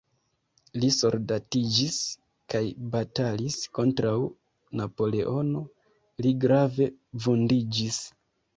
Li soldatiĝis kaj batalis kontraŭ Napoleono, li grave vundiĝis.